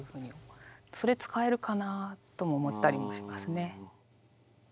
それ使えるかなとも思ったりもしますね。